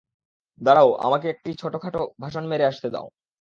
দাঁড়াও, আমাকে একটা ছোটখাটো ভাষণ মেরে আসতে দাও।